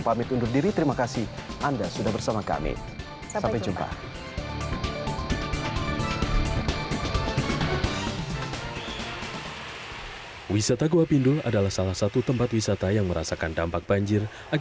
pamit undur diri terima kasih anda sudah bersama kami